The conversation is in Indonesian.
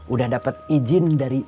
udah dapet izin dari